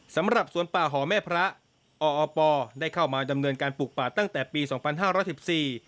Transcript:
สำหรับสวนป่าหอแม่พระออปได้เข้ามาดำเนินการปลูกป่าตั้งแต่ปีสองพันห้าร้อยสิบสี่